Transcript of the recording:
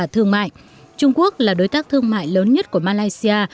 trung quốc là đối tác thương mại lớn nhất của malaysia